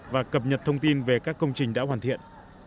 và cập nhật thông tin về các công trình đã hoàn thiện